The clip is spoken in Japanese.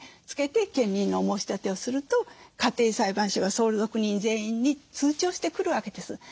つけて検認の申し立てをすると家庭裁判所が相続人全員に通知をしてくるわけです。